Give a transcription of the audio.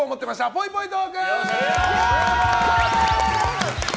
ぽいぽいトーク！